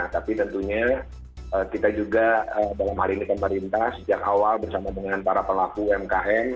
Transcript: tapi tentunya kita juga dalam hari ini pemerintah sejak awal bersama dengan para pelaku umkm